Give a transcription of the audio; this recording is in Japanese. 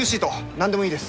何でもいいです。